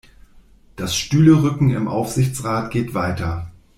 Das Stühlerücken im Aufsichtsrat geht weiter.